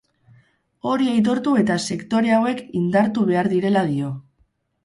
Hori aitortu eta sektore hauek indartu behar direla dio.